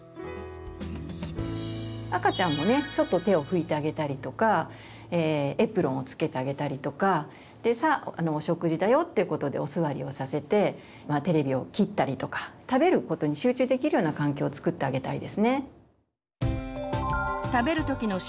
赤ちゃんもねちょっと手を拭いてあげたりとかエプロンをつけてあげたりとか「さあお食事だよ」っていうことでお座りをさせてテレビを切ったりとか食べることに集中できるような環境をつくってあげたいですね。